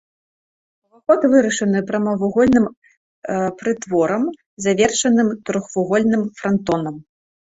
Уваход вырашаны прамавугольным прытворам, завершаным трохвугольным франтонам.